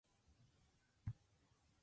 悟りの境地にいたること。